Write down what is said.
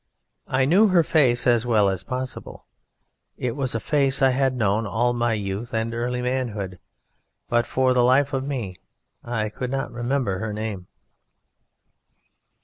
I knew her face as well as possible: it was a face I had known all my youth and early manhood but for the life of me I could not remember her name!'